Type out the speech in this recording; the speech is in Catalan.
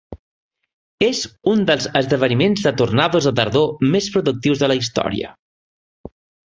És un dels esdeveniments de tornados de tardor més productius de la història.